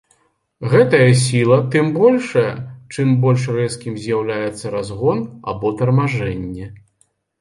Гэтая сіла тым большая, чым больш рэзкім з'яўляецца разгон або тармажэнне.